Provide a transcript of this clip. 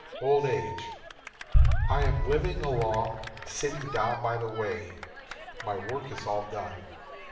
OLD AGE. I am living along, sitting down by the way. My work is all done.